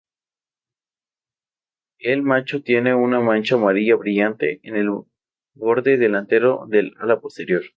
El macho tiene una mancha amarilla brillante en el borde delantero del ala posterior.